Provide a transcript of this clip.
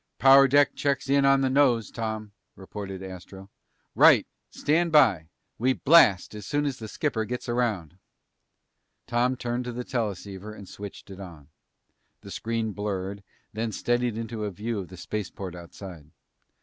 "Power deck checks in on the nose, Tom," reported Astro. "Right! Stand by! We blast as soon as the skipper gets around." Tom turned to the teleceiver and switched it on. The screen blurred and then steadied into a view of the spaceport outside.